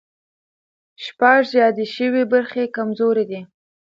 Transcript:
شپږ یادې شوې برخې کمزوري دي.